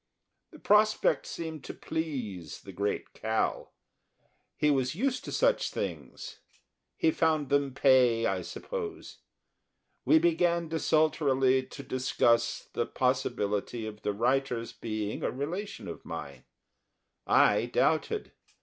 The prospect seemed to please the great Cal. He was used to such things; he found them pay, I suppose. We began desultorily to discuss the possibility of the writer's being a relation of mine; I doubted.